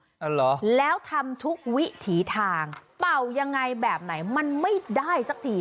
อ๋อเหรอแล้วทำทุกวิถีทางเป่ายังไงแบบไหนมันไม่ได้สักที